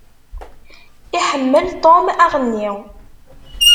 Iḥemmel Tom aɣenni.